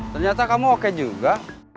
ternyata kamu oke juga